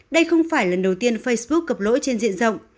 đây không phải lần đầu tiên facebook cập lỗi trên diện rộng